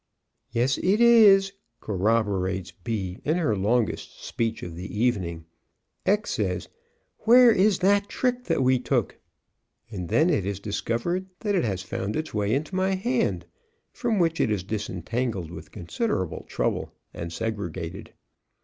"Yes, it is," corroborates B in her longest speech of the evening. X says: "Where is that trick that we took?" And then it is discovered that it has found its way into my hand, from which it is disentangled with considerable trouble and segregated.